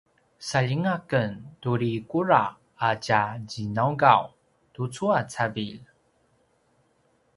saljinga aken turi kudral a tja ginaugaw tucu a cavilj